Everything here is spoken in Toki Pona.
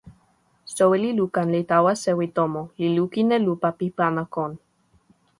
soweli Lukan li tawa sewi tomo, li lukin e lupa pi pana kon.